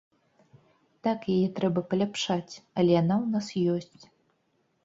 Так, яе трэба паляпшаць, але яна ў нас ёсць.